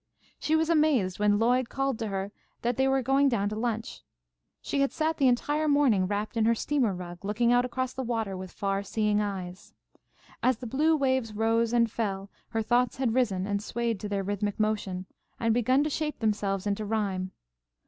She was amazed when Lloyd called to her that they were going down to lunch. She had sat the entire morning wrapped in her steamer rug, looking out across the water with far seeing eyes. As the blue waves rose and fell, her thoughts had risen and swayed to their rhythmic motion, and begun to shape themselves into rhyme.